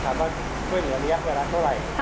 ว่าช่วยเหลือระยะเวลาเท่าไหร่